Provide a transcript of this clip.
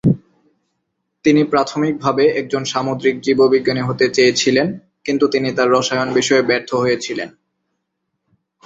তিনি প্রাথমিকভাবে একজন সামুদ্রিক জীববিজ্ঞানী হতে চেয়েছিলেন, কিন্তু তিনি তার রসায়ন বিষয়ে ব্যর্থ হয়েছিলেন।